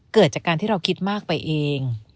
เกิดจากการที่เราคิดมากไปเอง